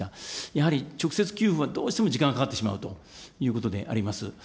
やはり直接給付はどうしても時間がかかってしまうということであります。